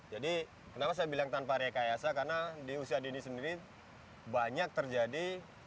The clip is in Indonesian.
jadi kenapa saya bilang tanpa rekayasa karena di usia dini sendiri banyak terjadi